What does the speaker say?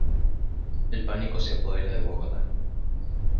El pánico se apodera de Bogotá.